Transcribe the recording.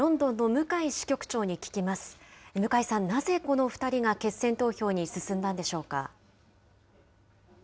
向井さん、なぜこの２人が決選投票に進んだんでしょうか。